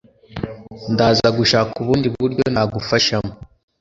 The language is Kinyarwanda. Ndaza gushaka ubundi buryo nagufashamo